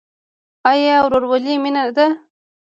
آیا ورورولي مینه ده؟